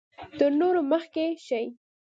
تر نورو مخکې شي.